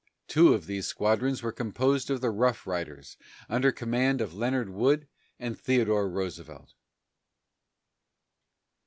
Two of these squadrons were composed of the "Rough Riders," under command of Leonard Wood and Theodore Roosevelt.